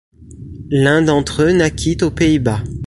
L'un d'entre eux naquit aux Pays-Bas.